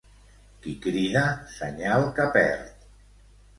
Qui crida, senyal que perd.